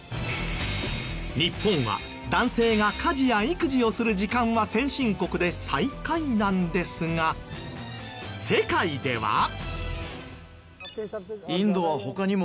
日本は男性が家事や育児をする時間は先進国で最下位なんですが世界では。